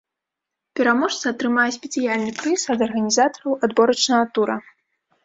Пераможца атрымае спецыяльны прыз ад арганізатараў адборачнага тура.